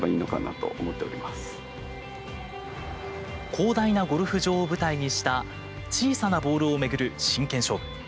広大なゴルフ場を舞台にした小さなボールを巡る真剣勝負。